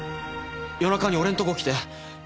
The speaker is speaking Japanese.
夜中に俺んとこ来て。